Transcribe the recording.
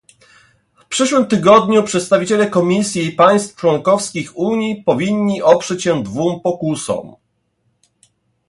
W przyszłym tygodniu przedstawiciele Komisji i państw członkowskich Unii powinni oprzeć się dwóm pokusom